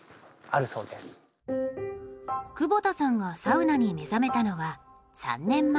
窪田さんがサウナに目覚めたのは３年前。